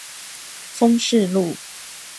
豐勢路